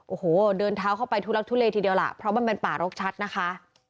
โอ้โหเดินเท้าเข้าไปทุลักทุเลทีเดียวล่ะเพราะมันเป็นป่ารกชัดนะคะ